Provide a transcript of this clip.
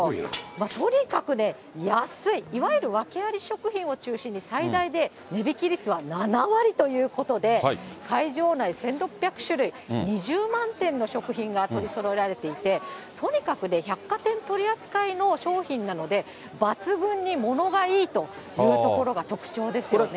とにかくね、安い、いわゆる訳あり食品を中心に、最大で値引き率は７割ということで、会場内、１６００種類２０万点の食品が取りそろえられていて、とにかくね、百貨店取り扱いの商品なので、抜群に物がいいというところが特徴ですよね。